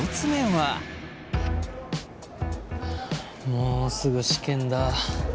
はあもうすぐ試験だ。